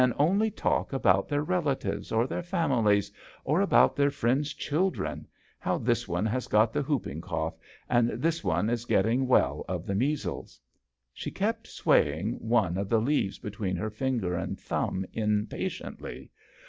She is one of those people, I suppose, who can only talk about their relatives, or their families, or about their friends' children : how this one has got the hoop ing cough, and this one is getting well of the measles !" She kept swaying one of the leaves bet ween her finger and thumb impatiently.